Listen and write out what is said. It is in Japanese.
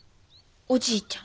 おじいちゃん。